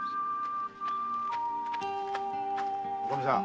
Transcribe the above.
女将さん。